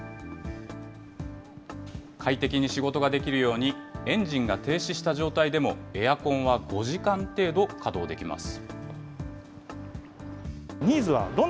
快適に仕事ができるように、エンジンが停止した状態でもエアコンは５時間程度稼働できます。